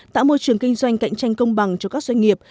tạo môi trường kinh doanh cạnh tranh công bằng cho các doanh nghiệp